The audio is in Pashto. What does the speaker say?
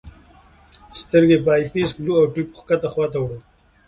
سترګې په آی پیس ږدو او ټیوب ښکته خواته وړو.